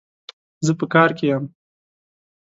زه په کار کي يم